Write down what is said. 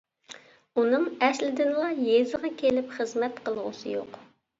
ئۇنىڭ ئەسلىدىنلا يېزىغا كېلىپ خىزمەت قىلغۇسى يوق.